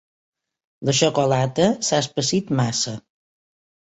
La xocolata s'ha espessit massa.